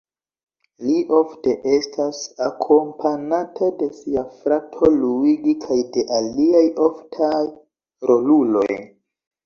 Li ofte estas akompanata de sia frato Luigi kaj de aliaj oftaj roluloj.